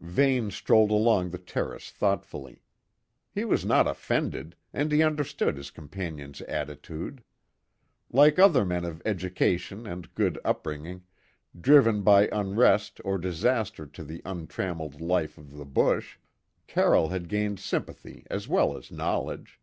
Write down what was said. Vane strolled along the terrace thoughtfully. He was not offended, and he understood his companion's attitude. Like other men of education and good upbringing, driven by unrest or disaster to the untrammelled life of the bush, Carroll had gained sympathy as well as knowledge.